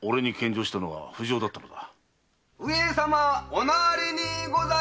お成りにございます。